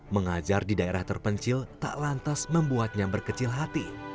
mengajar di daerah terpencil tak lantas membuatnya berkecil hati